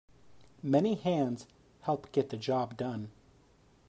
Many hands help get the job done.